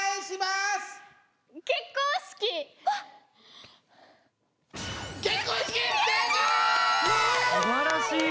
すばらしい。